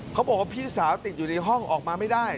เขาบอกว่าพี่สาวติดอยู่ในห้องออกมาไม่ได้